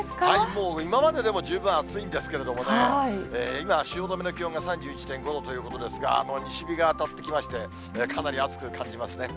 もう今まででも十分暑いんですけれどもね、今、汐留の気温が３１．５度ということですが、西日が当たってきまして、かなり暑く感じますね。